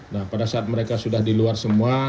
nah pada saat mereka sudah di luar semua